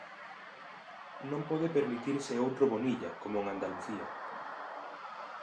Non pode permitirse outro Bonilla, como en Andalucía.